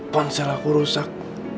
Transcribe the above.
ponsel aku rusak